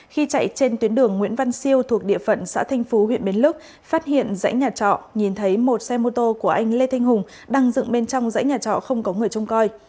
khi chạy trên tuyến đường nguyễn văn siêu thuộc địa phận xã thanh phú huyện bến lức phát hiện dãy nhà trọ nhìn thấy một xe mô tô của anh lê thanh hùng đang dựng bên trong dãy nhà trọ không có người trông coi